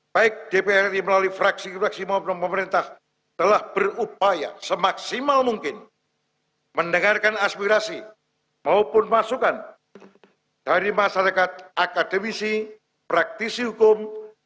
baik dpr ri melalui fraksi fraksi maupun pemerintah telah berupaya semaksimal mungkin mendengarkan aspirasi maupun masukan dari masyarakat akademisi praktisi hukum